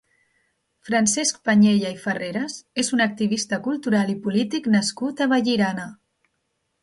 Francesc Panyella i Farreras és un activista cultural i polític nascut a Vallirana.